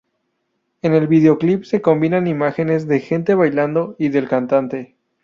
En el videoclip se combinan imágenes de gente bailando y del cantante.